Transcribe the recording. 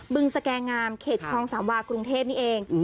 ึงสแกงามเขตคลองสามวากรุงเทพนี่เอง